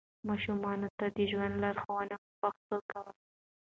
ماشومانو ته د ژوند لارښوونه په پښتو کوئ.